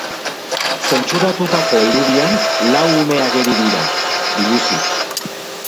Zentsuratutako irudian lau ume ageri dira, biluzik.